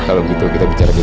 kalau gitu kita bicara di luar